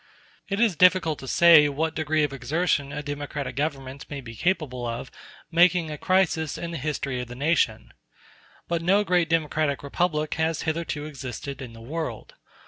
It is difficult to say what degree of exertion a democratic government may be capable of making a crisis in the history of the nation. But no great democratic republic has hitherto existed in the world.